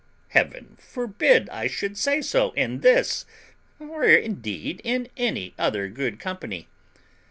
Heaven forbid I should say so in this, or, indeed, in any other good company!